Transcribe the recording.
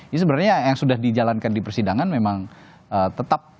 ini sebenarnya yang sudah dijalankan di persidangan memang tetap